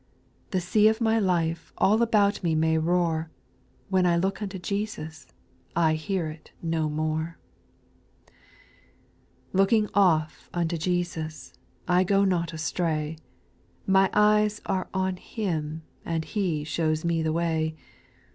The sea of my life All about me may roar, — When I look unto Jesus I hear it no more. 4. Looking off unto Jesus, I go not astray ; My eyes are on Him, And He shows mc the way.